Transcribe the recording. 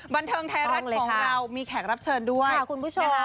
บันเทิงไทยรัฐของเราต้องเลยค่ะมีแขกรับเชิญด้วยค่ะคุณผู้ชม